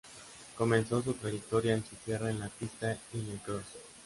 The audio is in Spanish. Comenzó su trayectoria en su tierra en la pista y en el cross.